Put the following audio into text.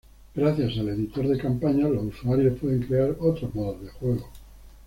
Gracias al editor de campañas los usuarios pueden crear otros modos de juego.